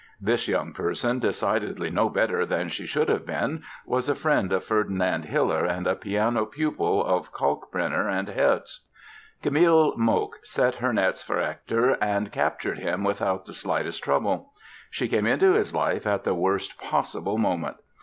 This young person, decidedly no better than she should have been, was a friend of Ferdinand Hiller and a piano pupil of Kalkbrenner and Herz. Camille Moke set her nets for Hector and captured him without the slightest trouble. She came into his life at the worst possible moment!